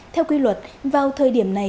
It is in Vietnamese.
theo quy luật vào thời điểm này